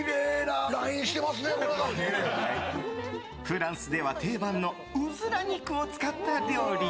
フランスでは定番のウズラ肉を使った料理。